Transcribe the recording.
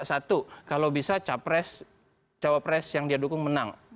satu kalau bisa capres cawapres yang dia dukung menang